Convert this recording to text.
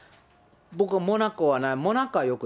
僕はモナコはない。